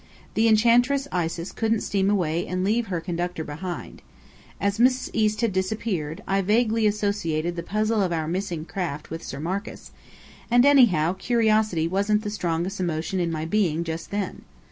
The Enchantress Isis couldn't steam away and leave her Conductor behind. As Mrs. East had disappeared, I vaguely associated the puzzle of our missing craft with Sir Marcus; and anyhow, curiosity wasn't the strongest emotion in my being just then.